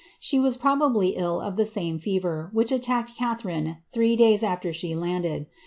She was pro bably ill of the same fever which attacked Catharine three days after she landed.